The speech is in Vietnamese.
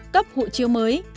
cấp hộ chiếu mới